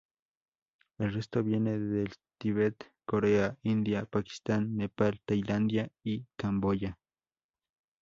El resto viene del Tíbet, Corea, India, Pakistán, Nepal, Tailandia y Camboya.